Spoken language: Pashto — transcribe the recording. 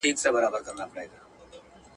په اختر کي کارونه نه کېږي.